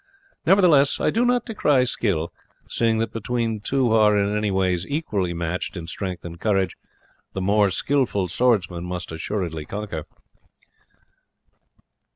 Nevertheless I do not decry skill, seeing that between two who are in any ways equally matched in strength and courage the most skilful swordsman must assuredly conquer.